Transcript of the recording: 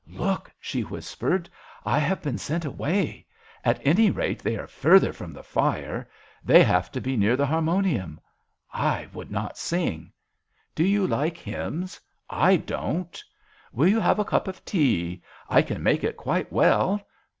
"Look," she whispered, "I have been sent away. At any rate they are further from the fire. They have to be near the harmonium. I would not sing. Do you like hymns ? I don't. Will you have a cup of tea ? I can make it quite well.